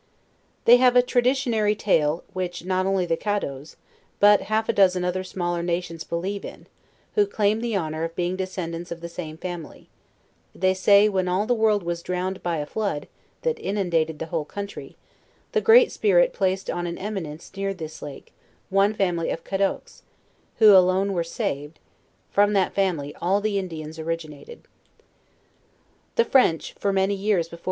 They have a traditionary tale which not only the Caddos, but half a dozen other smaller nations believe in, who claim the honor of being descendants of the same family; they say, when all the world was drowned by a flood that inundated the whole country, the great Spirit placed on an eminence near this lake, one family of Caddoqucs, who alone were saved; from that family all the Indians originated. The French, for many years before